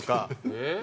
えっ？